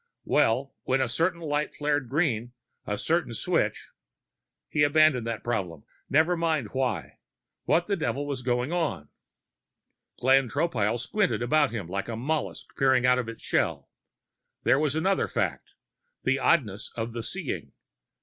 Well, when a certain light flared green, a certain switch He abandoned that problem. Never mind why; what the devil was going on? Glenn Tropile squinted about him like a mollusc peering out of its shell. There was another fact, the oddness of the seeing.